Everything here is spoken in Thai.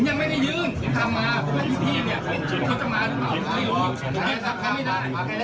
ท่านคูผม